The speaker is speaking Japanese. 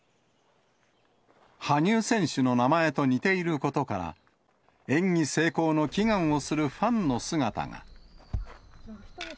羽生選手の名前と似ていることから、演技成功の祈願をするファンの姿が。